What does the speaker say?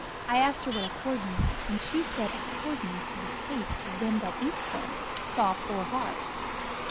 I asked her what 'accordin' meant, and she said 'accordin' to the tastes of them that eats them soft or hard."